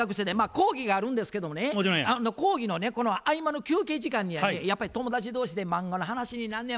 講義があるんですけどもね講義のね合間の休憩時間にやねやっぱり友達同士で漫画の話になんねや。